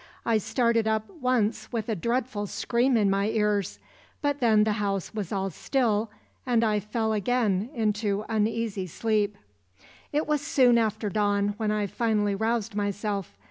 I started up once with a dreadful scream in my ears; but then the house was all still, and I fell again into uneasy sleep. "It was soon after dawn when I finally roused myself.